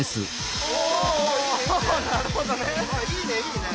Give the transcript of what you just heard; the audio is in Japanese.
おいいねいいね！